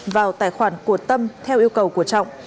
vào tài khoản của tâm theo yêu cầu của trọng